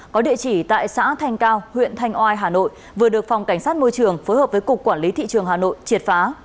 có địa chỉ tại xã thanh cao huyện thanh oai hà nội vừa được phòng cảnh sát môi trường phối hợp với cục quản lý thị trường hà nội triệt phá